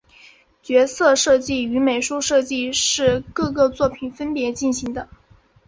角色设计与美术设定是各个作品分别进行的。